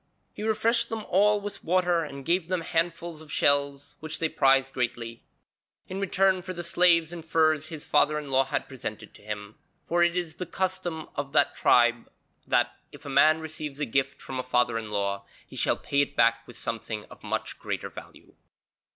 He refreshed them all with water and gave them handfuls of the shells, which they prized greatly, in return for the slaves and furs his father in law had presented to him, for it is the custom of that tribe that, if a man receives a gift from a father in law, he shall pay it back with something of much greater value.